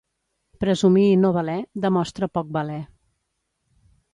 Presumir i no valer, demostra poc valer.